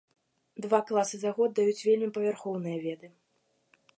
Два класы за год даюць вельмі павярхоўныя веды.